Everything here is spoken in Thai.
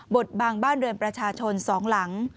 ดบังบ้านเรือนประชาชน๒หลัง